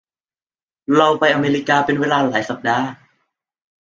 เราไปอเมริกาเป็นเวลาหลายสัปดาห์